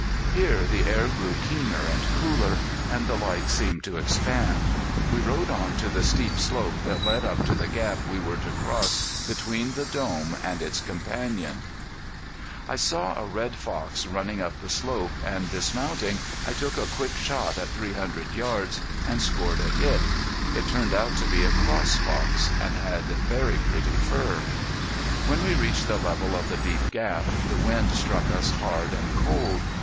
Here the air grew keener and cooler, and the light seemed to expand. We rode on to the steep slope that led up to the gap we were to cross between the Dome and its companion. [Illustration: UNDER THE SHADOW OF THE FLATTOP MOUNTAINS] I saw a red fox running up the slope, and dismounting I took a quick shot at three hundred yards, and scored a hit. It turned out to be a cross fox, and had very pretty fur. When we reached the level of the deep gap the wind struck us hard and cold.